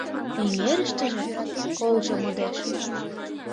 Эҥерыштыже колжо модеш.